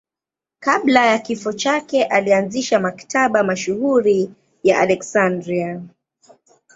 Kabla ya kifo chake alianzisha Maktaba mashuhuri ya Aleksandria.